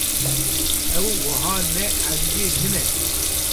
Ew wiha ne ezîzê min e.